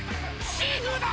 シーフード